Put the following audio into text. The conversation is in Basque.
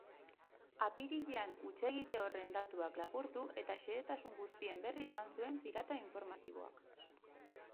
Apirilean hutsegite horren datuak lapurtu eta xehetasun guztien berri eman zuten pirata informatikoek.